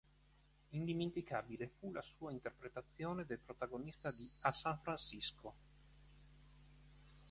Indimenticabile fu la sua interpretazione del protagonista di "A San Francisco".